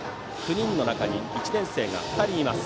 ９人の中に１年生が２人います。